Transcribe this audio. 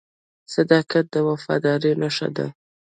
• صداقت د وفادارۍ نښه ده.